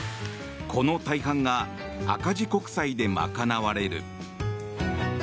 この大半が赤字国債で賄われる。